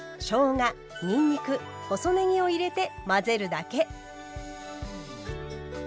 にんにく細ねぎを入れて混ぜるだけ。